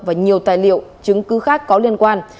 và nhiều tài liệu chứng cứ khác có liên quan